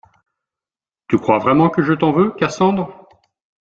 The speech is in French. Tu crois vraiment que je t’en veux, Cassandre?